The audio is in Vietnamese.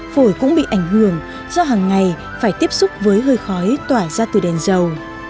phổi cũng bị ảnh hưởng do hàng ngày phải tiếp xúc với hơi khói tỏa ra từ đèn dầu